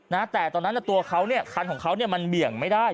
นะแต่ตอนนั้นตัวเขาเนี่ยคันของเขาเนี่ยมันเบี่ยงไม่ได้